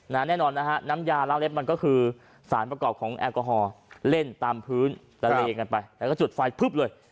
แน่นอนนะฮะน้ำยาล้างเล็บมันก็คือสารประกอบของแอลกอฮอล์เล่นตามพื้นละเลงกันไปแล้วก็จุดไฟพึบเลย